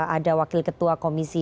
ada wakil ketua komisi